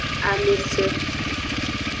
Ame ce.